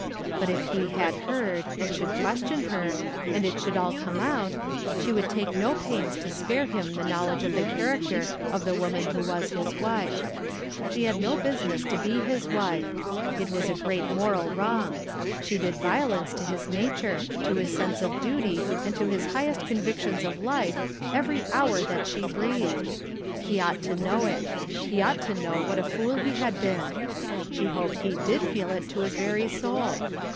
But if he had heard, and should question her, and it should all come out, she would take no pains to spare him the knowledge of the character of the woman who was his wife. She had no business to be his wife ; it was a great moral wrong ; she did vio lence to his nature, to his sense of duty and to his highest convictions of life, every hour that she breathed. He ought to know it ; he ought to know what a fool he had been. She hoped he did feel it to liis very soul.